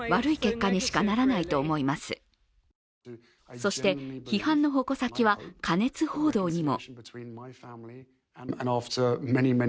そして、批判の矛先は過熱報道にも。